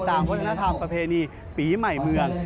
วัฒนธรรมประเพณีปีใหม่เมือง